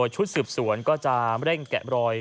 ชุดสืบสวนก็จะเร่งแกะรอย